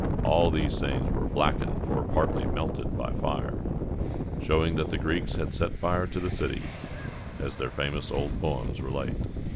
All these things were blackened or partly melted by fire, showing that the Greeks had set fire to the city, as their famous old poems relate.